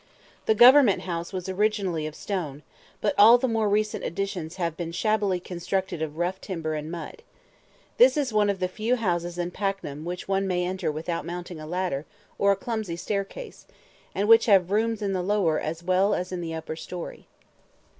The "Government House" was originally of stone, but all the more recent additions have been shabbily constructed of rough timber and mud. This is one of the few houses in Paknam which one may enter without mounting a ladder or a clumsy staircase, and which have rooms in the lower as well as in the upper story.